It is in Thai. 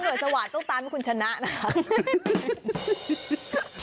ถ้าหน่วยสวาสตร์ต้องตามคุณชนะนะคะ